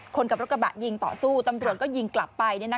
คนขับรถกระบะยิงต่อสู้ตำรวจก็ยิงกลับไป